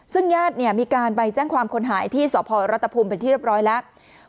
ซึ่งญาติมีการไปแจ้งความคนหายที่สพรัฐภูมิเป็นที่เรียบร้อยแล้ว